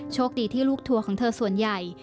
โชคดีที่ลูกทัวร์ของเธอส่วนใหญ่